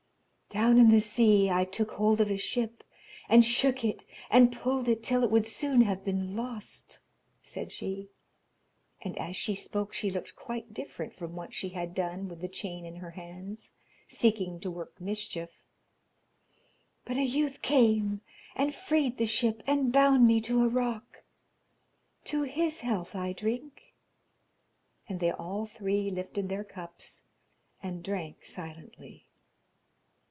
'Down in the sea I took hold of a ship and shook it and pulled it till it would soon have been lost,' said she. And as she spoke she looked quite different from what she had done with the chain in her hands, seeking to work mischief. 'But a youth came, and freed the ship and bound me to a rock. To his health I drink,' and they all three lifted their cups and drank silently.